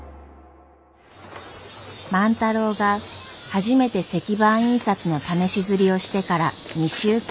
万太郎が初めて石版印刷の試し刷りをしてから２週間。